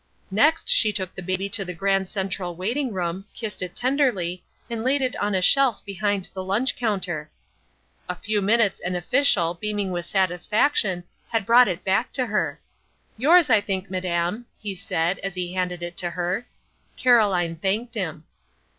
Next she took the baby to the Grand Central Waiting room, kissed it tenderly, and laid it on a shelf behind the lunch counter. A few minutes an official, beaming with satisfaction, had brought it back to her. "Yours, I think, madame," he said, as he handed it to her. Caroline thanked him.